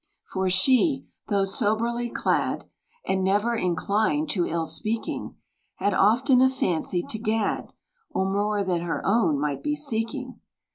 For she, though so soberly clad, And never inclined to ill speaking, Had often a fancy to gad, Or more than her own might be seeking.